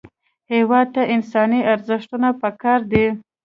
هېواد ته انساني ارزښتونه پکار دي